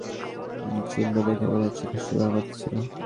হ্যাঁ আসলে মরিনের ঘাড়ে আঘাতের চিহ্ন দেখে মনে হচ্ছে খুনি বামহাতি ছিলো।